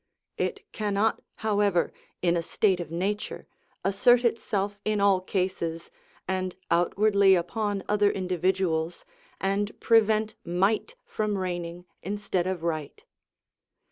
It cannot, however, in a state of nature, assert itself in all cases, and outwardly upon other individuals, and prevent might from reigning instead of right.